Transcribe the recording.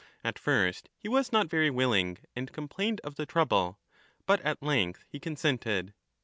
At first he was not very willing, and complained of the trouble, but at length he consented.